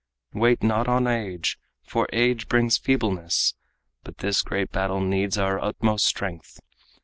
Wait not on age for age brings feebleness But this great battle needs our utmost strength.